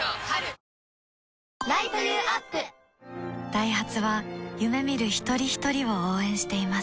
ダイハツは夢見る一人ひとりを応援しています